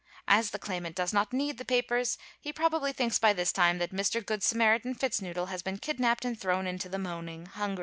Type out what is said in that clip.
As the claimant does not need the papers, he probably thinks by this time that Mr. Good Samaritan Fitznoodle has been kidnapped and thrown into the moaning, hungry sea.